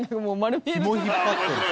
ひも引っ張ってる。